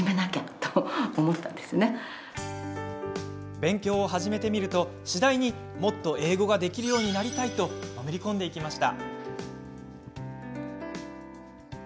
勉強を始めてみると次第にもっと英語ができるようになりたいとのめり込んでいきました。